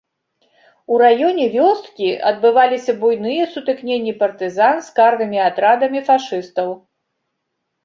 У раёне вёскі адбываліся буйныя сутыкненні партызан з карнымі атрадамі фашыстаў.